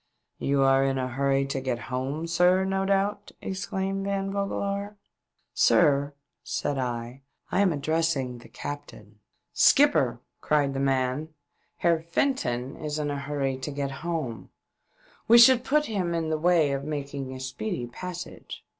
"You are in a hurry to get hon.^, sir, no doubt ?" exclaimed Van V^ogelaar. "Sir," said I, "I am addressing the captain." "Skipper!" cried the man; " Heer Fenton WE BRING UP IN A BAY. 46 1 Is in a hurry to get home! We should put him in the way of making a speedy passage."